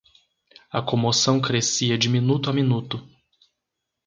A comoção crescia de minuto a minuto.